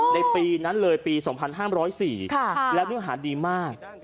ในปีนั้นเลยปี๒๕๐๔แล้วเนื้อหาดีมาก